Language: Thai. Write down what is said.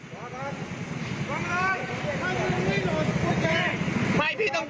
ไม่พี่ต้องดูเขาก่อนพี่ชนเขา